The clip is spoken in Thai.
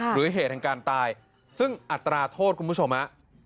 เหตุแห่งการตายซึ่งอัตราโทษคุณผู้ชมฮะ